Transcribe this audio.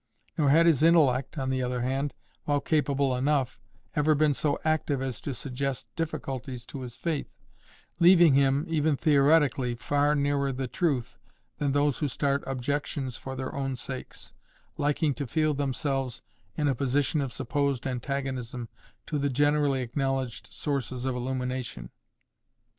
Nor had his intellect, on the other hand, while capable enough, ever been so active as to suggest difficulties to his faith, leaving him, even theoretically, far nearer the truth than those who start objections for their own sakes, liking to feel themselves in a position of supposed antagonism to the generally acknowledged sources of illumination.